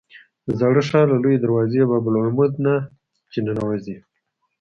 د زاړه ښار له لویې دروازې باب العمود نه چې ننوځې.